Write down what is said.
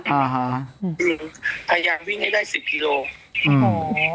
คือพยายามวิ่งให้ได้๑๐กิโลกรัม